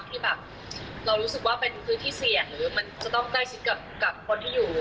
ที่แบบเรารู้สึกว่าเป็นพื้นที่เสี่ยงหรือมันจะต้องใกล้ชิดกับคนที่อยู่